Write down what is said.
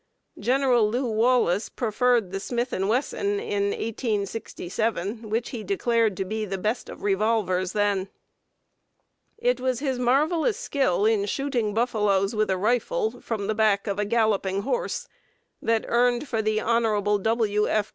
Gen. Lew. Wallace preferred the Smith and Wesson in 1867, which he declared to be "the best of revolvers" then. It was his marvelous skill in shooting buffaloes with a rifle, from the back of a galloping horse, that earned for the Hon. W. F.